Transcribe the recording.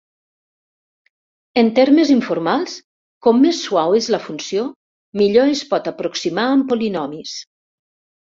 En termes informals, com més suau és la funció, millor es pot aproximar amb polinomis.